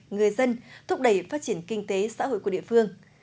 người dân thúc đẩy phát triển kinh tế xã hội của địa phương